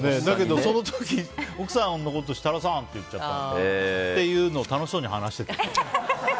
だけど、その時、奥さんのことを設楽さんって言っちゃったっていうのを楽しそうに話してた。